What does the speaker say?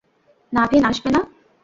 নাভিন, আসবে না?